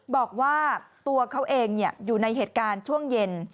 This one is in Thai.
บอกว่าตัวเขาเองอยู่ในเหตุการณ์ช่วงเย็น